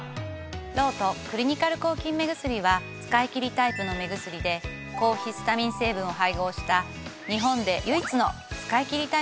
ロートクリニカル抗菌目薬は使いきりタイプの目薬で抗ヒスタミン成分を配合した日本で唯一の使いきりタイプの抗菌目薬なんです。